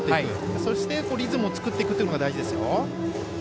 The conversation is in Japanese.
そして、リズムを作っていくのが大事ですよ。